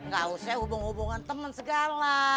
gak usah hubung hubungan temen segala